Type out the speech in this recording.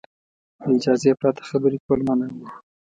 له اجازې پرته خبرې کول منع وو.